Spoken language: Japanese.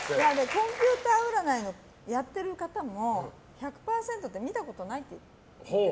コンピューター占いやってる方も１００％って見たことないって言われて。